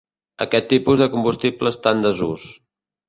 Aquest tipus de combustible està en desús.